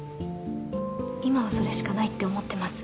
今はそれしかないって思ってます